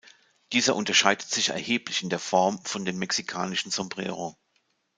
Dieser unterscheidet sich erheblich in der Form von dem mexikanischen Sombrero.